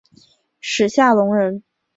史夏隆人。